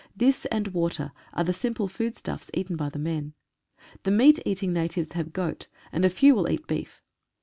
This and water are the simple foodstuffs eaten by the men. The meat eating natives have goat, and a few will eat beef.